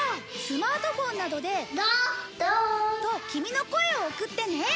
スマートフォンなどで。とキミの声を送ってね。